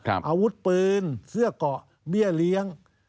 อาวุธปืนเสื้อเกาะเบี้ยเลี้ยง